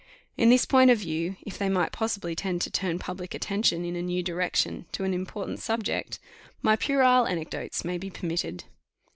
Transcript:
In this point of view, if they might possibly tend to turn public attention in a new direction to an important subject, my puerile anecdotes may be permitted.